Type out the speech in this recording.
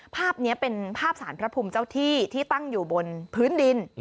ภาพนี้เป็นภาพสารพระภูมิเจ้าที่ที่ตั้งอยู่บนพื้นดิน